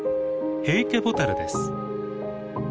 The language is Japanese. ヘイケボタルです。